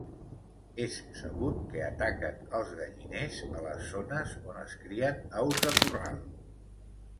És sabut que ataquen els galliners, a les zones on es crien aus de corral.